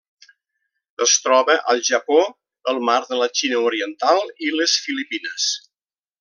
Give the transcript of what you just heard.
Es troba al Japó, el Mar de la Xina Oriental i les Filipines.